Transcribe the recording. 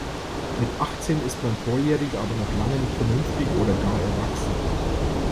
Mit achtzehn ist man volljährig, aber noch lange nicht vernünftig oder gar erwachsen.